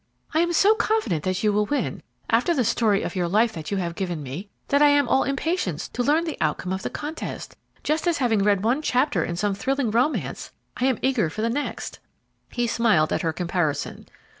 I am so confident that you will win, after the story of your life that you have given me, that I am all impatience to learn the outcome of the contest, just as having read one chapter in some thrilling romance I am eager for the next." He smiled at her comparison.